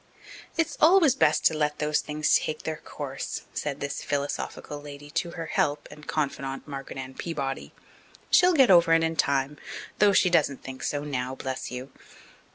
"It's always best to let those things take their course," said this philosophical lady to her "help" and confidant, Margaret Ann Peabody. "She'll get over it in time though she doesn't think so now, bless you."